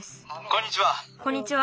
こんにちは。